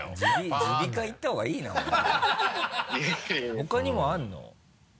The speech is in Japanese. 他にもあるの？